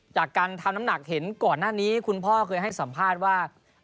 จากการทำน้ำหนักเห็นก่อนหน้านี้คุณพ่อเคยให้สัมภาษณ์ว่า